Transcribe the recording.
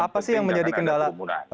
apa sih yang menjadi kendala